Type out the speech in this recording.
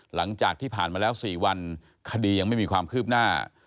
หลังจากที่ผ่านมาแล้ว๔วันคดียังไม่มีความคืบหน้า